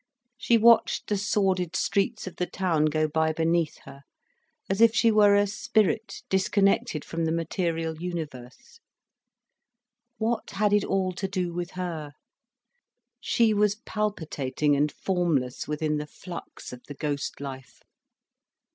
She watched the sordid streets of the town go by beneath her, as if she were a spirit disconnected from the material universe. What had it all to do with her? She was palpitating and formless within the flux of the ghost life.